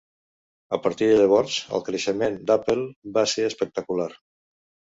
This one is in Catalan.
A partir de llavors el creixement d'Apple va ser espectacular.